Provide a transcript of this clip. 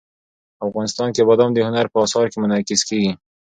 افغانستان کې بادام د هنر په اثار کې منعکس کېږي.